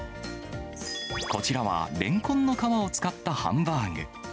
こちらは、レンコンの皮を使ったハンバーグ。